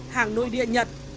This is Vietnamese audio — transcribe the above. hàng nội địa nhật